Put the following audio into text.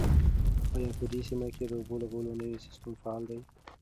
آیا په دې سیمه کې د اوبو لګولو نوی سیستم فعال دی؟